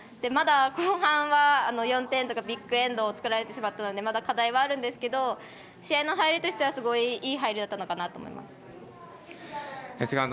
まだ、後半は４点とかビッグエンドを作られてしまってまだ課題はあるんですけど試合の入りとしてはすごいいい入りだったのかなと思います。